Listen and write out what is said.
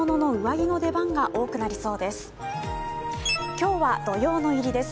今日は土用の入りです。